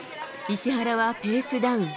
石原はペースダウン。